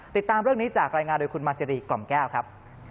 ติดตามเรื่องนี้จากรายงานโดยคุณมาซิรีกล่อมแก้วครับ